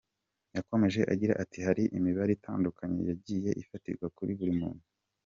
Yakomeje agira ati “Hari imibare itandukanye yagiye ifatirwa kuri buri muntu.